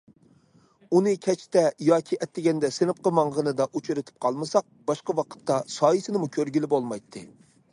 ئۇنى كەچتە ياكى ئەتىگەندە سىنىپقا ماڭغىنىدا ئۇچرىتىپ قالمىساق باشقا ۋاقىتتا سايىسىنىمۇ كۆرگىلى بولمايتتى.